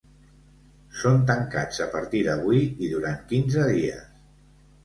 Són tancats a partir d’avui i durant quinze dies.